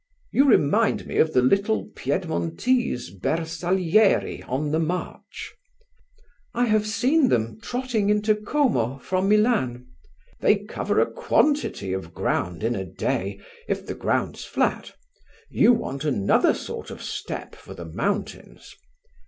"You remind me of the little Piedmontese Bersaglieri on the march." "I have seen them trotting into Como from Milan." "They cover a quantity of ground in a day, if the ground's flat. You want another sort of step for the mountains."